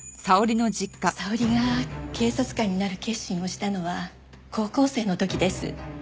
沙織が警察官になる決心をしたのは高校生の時です。